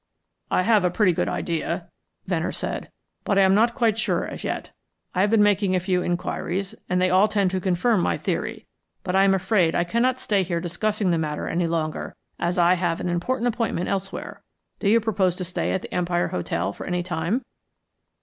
"I have a pretty good idea," Venner said; "but I am not quite sure as yet. I have been making a few inquiries, and they all tend to confirm my theory, but I am afraid I cannot stay here discussing the matter any longer, as I have an important appointment elsewhere. Do you propose to stay at the Empire Hotel for any time?"